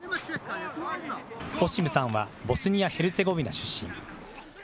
オシムさんはボスニア・ヘルツェゴビナ出身。